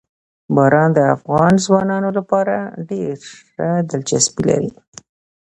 باران د افغان ځوانانو لپاره ډېره دلچسپي لري.